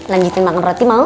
lanjutin makan roti mau